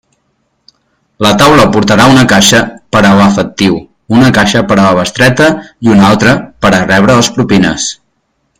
La taula portarà una caixa per a l'efectiu, una caixa per a la bestreta i una altra per a rebre les propines.